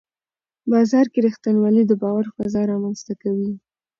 بازار کې رښتینولي د باور فضا رامنځته کوي